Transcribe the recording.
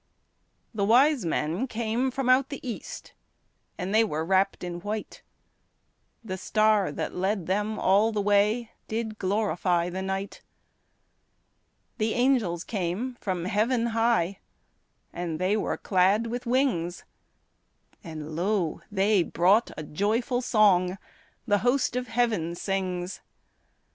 The wise men came from out the east, And they were wrapped in white; The star that led them all the way Did glorify the night. The angels came from heaven high, And they were clad with wings; And lo, they brought a joyful song The host of heaven sings.